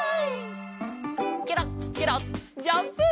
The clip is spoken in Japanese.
ケロッケロッジャンプ！